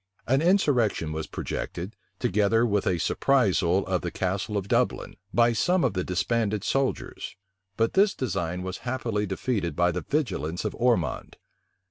An insurrection was projected, together with a surprisal of the Castle of Dublin, by some of the disbanded soldiers; but this design was happily defeated by the vigilance of Ormond.